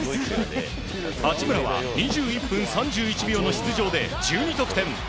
八村は２１分３１秒の出場で１２得点。